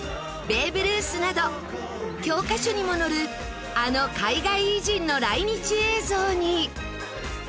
ベーブ・ルースなど教科書にも載るあの海外偉人の来日映像に。